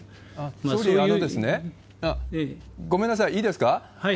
総理、ごめんなさい、いいですか？